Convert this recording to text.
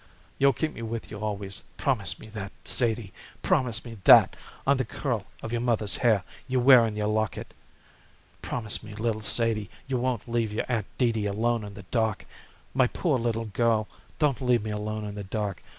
"You'll keep me with you always, promise me that, Sadie. Promise me that on the curl of your mother's hair you wear in your locket. Promise me, little Sadie, you won't leave your aunt Dee Dee alone in the dark. My poor little girl, don't leave me alone in the dark.